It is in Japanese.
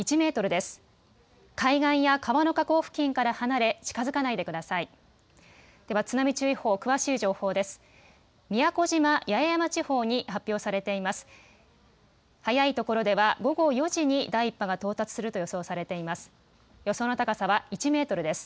では津波注意報、詳しい情報です。